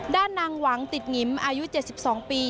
ด้านนางหวังติดหงิมอายุ๗๒ปี